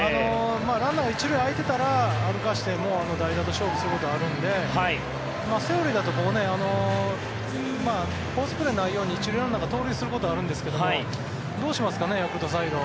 ランナーが１塁空いてたら歩かせてもう代打で勝負するという手があるのでセオリーだと、ここフォースプレーのないように１塁ランナーが盗塁することがあるんですけどどうしますかねヤクルトサイド。